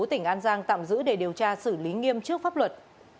tỉnh an giang tạm giữ để điều tra xử lý nghiêm trước pháp luật